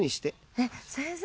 えっ先生